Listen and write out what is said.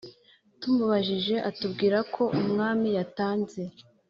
tumubajije atubwira ko umwami yatanze